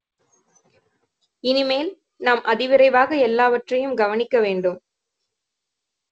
இனிமேல் நாம் அதிவிரைவாக எல்லாவற்றையும் கவனிக்க வேண்டும்.